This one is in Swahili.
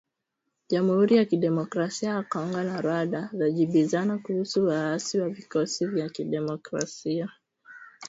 Jamhuri ya Kidemokrasia ya Kongo na Rwanda zajibizana kuhusu waasi wa Vikosi vya Kidemokrasia vya Ukombozi wa Rwanda